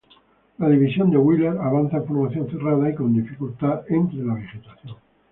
La división de Wheeler avanza en formación cerrada y con dificultad entre la vegetación.